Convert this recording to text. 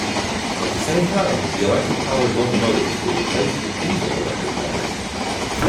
At the same time, the electric-powered locomotives were replaced with diesel-electric models.